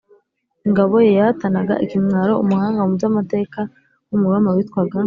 ingabo ye yatahanaga ikimwaro Umuhanga mu by amateka w Umuroma witwaga